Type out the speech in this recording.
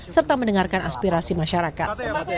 serta mendengarkan aspirasi masyarakat